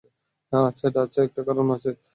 আচ্ছা, একটা কারণ আছে।